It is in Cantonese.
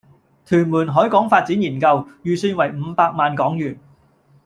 屯門海港發展研究，預算為五百萬港元